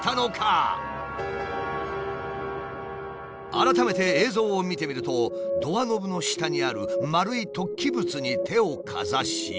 改めて映像を見てみるとドアノブの下にある丸い突起物に手をかざし。